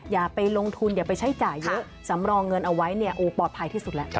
อย่าไปลงทุนอย่าไปใช้จ่ายเยอะสำรองเงินเอาไว้เนี่ยโอ้ปลอดภัยที่สุดแล้ว